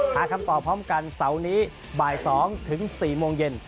หาคำตอบพร้อมกันเสาร์นี้บ่าย๒ถึง๔โมงเย็น